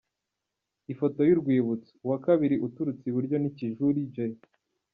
Ifoto y’urwibutso , uwakabiri uturutse iburyo ni Kijuri J